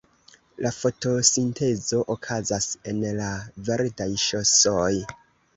La fotosintezo okazas en la verdaj ŝosoj.